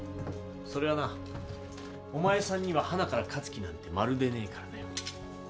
それはなお前さんにははなから勝つ気なんてまるでねえからだよ。